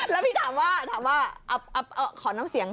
แล้วพี่ถามว่าถามว่าขอน้ำเสียง